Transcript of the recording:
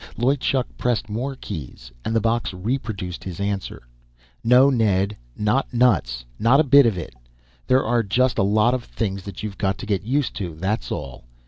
Loy Chuk pressed more keys, and the box reproduced his answer: "No, Ned, not nuts. Not a bit of it! There are just a lot of things that you've got to get used to, that's all.